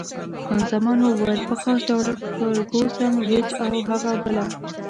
خان زمان وویل: په خاص ډول فرګوسن، ګېج او هغه بله.